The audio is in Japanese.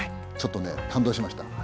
ちょっとね感動しました。